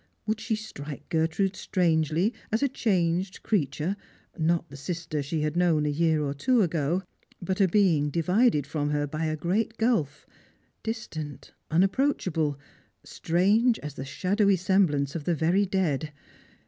Would she strike Gertrude strangely, as a changed creature, not the sister she had known a year or two ago, but a being divided from her by a great gulf, distant, unapproachable, strange as the shadowy semblance of the very dead